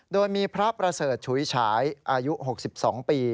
โดยมีพระประเสริฐฉุยฉายอายุ๖๒ปี